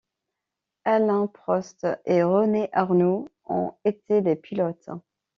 Alain Prost et René Arnoux en étaient les pilotes.